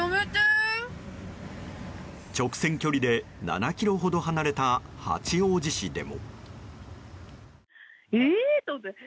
直線距離で７ｋｍほど離れた八王子市でも。